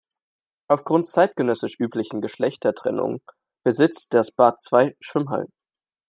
Auf Grund zeitgenössisch üblichen Geschlechtertrennung besitzt das Bad zwei Schwimmhallen.